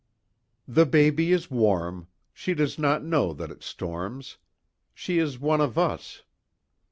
"The baby is warm. She does not know that it storms. She is one of us.